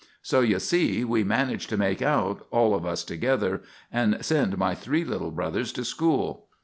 So you see we manage to make out, all of us together, and send my three little brothers to school.